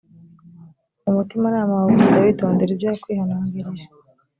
umutimanama wawe ukajya witondera ibyo yakwihanangirije